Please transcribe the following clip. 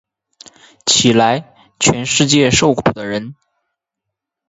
起来，全世界受苦的人！